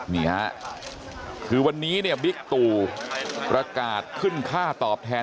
นี่ฮะคือวันนี้เนี่ยบิ๊กตูประกาศขึ้นค่าตอบแทน